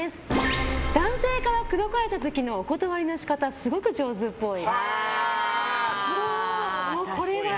男性から口説かれた時のお断りの仕方すごく上手っぽい。